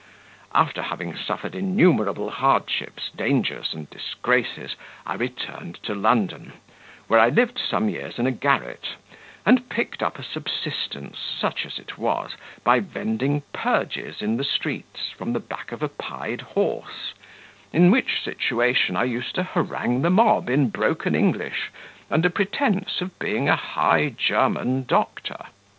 "After having suffered innumerable hardships, dangers, and disgraces, I returned to London, where I lived some years in a garret, and picked up a subsistence, such as it was, by vending purges in the streets, from the back of a pied horse, in which situation I used to harangue the mob in broken English, under pretence of being an High German doctor.